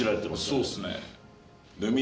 そうですね。